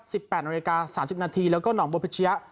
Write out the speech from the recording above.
สิบแปดนาทีนาทีแล้วก็เฉลี่ย